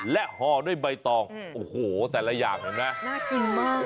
และฮอด้วยใบตองโอ้โหแต่ละอย่างเห็นมั้ย